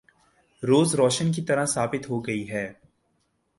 ‘ روز روشن کی طرح ثابت ہو گئی ہے۔